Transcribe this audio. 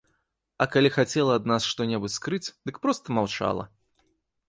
А калі хацела ад нас што-небудзь скрыць, дык проста маўчала.